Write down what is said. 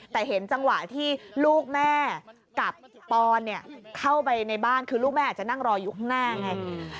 แต่เห็นจังหวะที่ลูกแม่กับปอนเข้าไปในบ้านคือลูกแม่อาจจะนั่งรออยู่ข้างหน้าไง